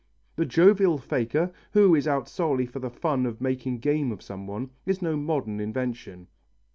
The jovial faker, who is out solely for the fun of making game of some one, is no modern invention.